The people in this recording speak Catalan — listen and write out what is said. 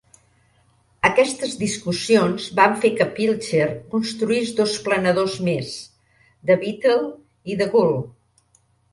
Aquestes discussions van fer que Pilcher construís dos planadors més, "The Beetle" i "The Gull".